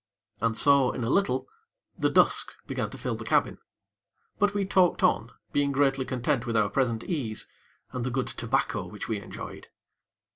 And so, in a little, the dusk began to fill the cabin; but we talked on, being greatly content with our present ease and the good tobacco which we enjoyed.